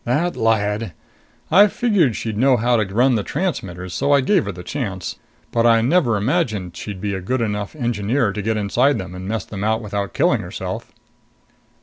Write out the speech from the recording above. "That Lyad! I figured she'd know how to run the transmitters, so I gave her the chance. But I never imagined she'd be a good enough engineer to get inside them and mess them up without killing herself."